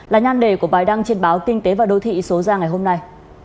là nhan đề của bài đăng trên báo kinh tế và đô thị số ra ngày hôm nay